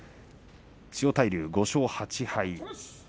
千代大龍、５勝８敗。